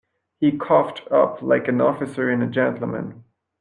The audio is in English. He coughed up like an officer and a gentleman.